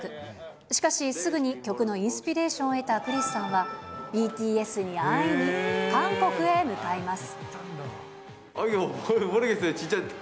しかし、すぐに曲のインスピレーションを得たクリスさんは、ＢＴＳに会いに韓国へ向かいます。